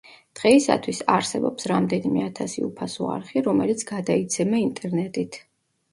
დღეისათვის არსებობს რამდენიმე ათასი უფასო არხი, რომელიც გადაიცემა ინტერნეტით.